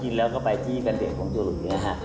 จริงแล้วก็ไปที่แฟนเพลงของโจรุณินะค่ะ